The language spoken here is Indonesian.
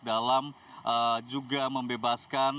dalam juga menjaga kepentingan